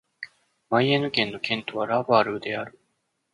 マイエンヌ県の県都はラヴァルである